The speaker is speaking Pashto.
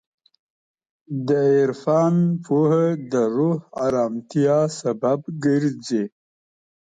د عرفان پوهه د روح ارامتیا سبب ګرځي.